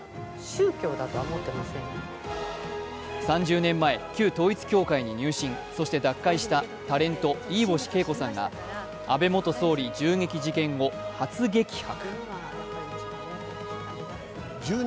３０年前、旧統一教会に入信、そして脱会したタレント飯星景子さんが安倍元総理襲撃後、初激白。